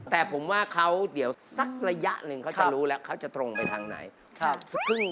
แต่ผมว่าเขาเดี๋ยวสักระยะหนึ่งเขาจะรู้แล้วเขาจะตรงไปทางไหน